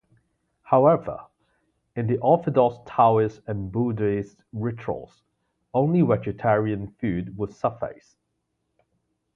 However, in the orthodox Taoist and Buddhist rituals, only vegetarian food would suffice.